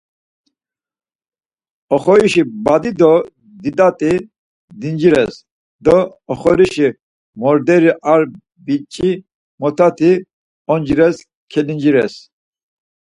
Oxorişi badi do didati dincires do oxorişi morderi ar biç̌imotati oncires kelincires.